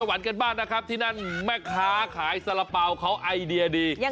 วันกันบ้างนะครับที่นั่นแม่ค้าขายสาระเป๋าเขาไอเดียดี